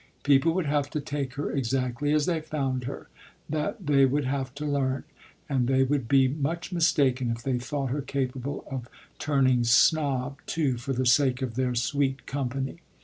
People would have to take her exactly as they found her that they would have to learn; and they would be much mistaken if they thought her capable of turning snob too for the sake of their sweet company.